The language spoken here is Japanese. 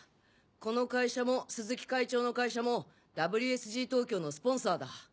この会社も鈴木会長の会社もＷＳＧ東京のスポンサーだ。